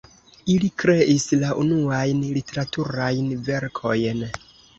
Ili kreis la unuajn literaturajn verkojn.